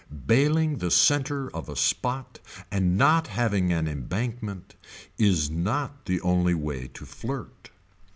Bailing the center of a spot and not having an embankment is not the only way to flirt.